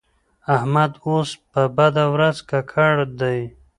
احمد اوس په بده ورځ ککړ دی.